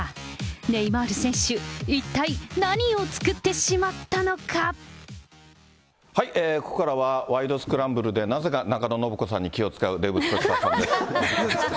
ネイマール選手、ここからは、ワイドスクランブルで、なぜかなかののぶこさんに気を遣うデーブ・スペクターさんです。